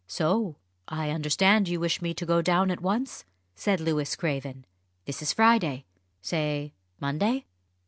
"So I understand you wish me to go down at once?" said Louis Craven. "This is Friday say Monday?"